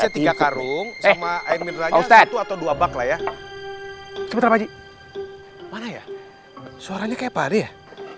tau di bawah aja dah